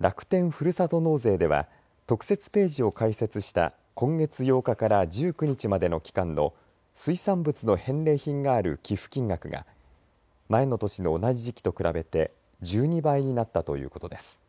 楽天ふるさと納税では特設ページを開設した今月８日から１９日までの期間の水産物の返礼品がある寄付金額が前の年の同じ時期と比べて１２倍になったということです。